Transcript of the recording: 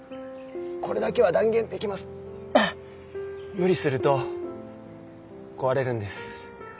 無理すると壊れるんです。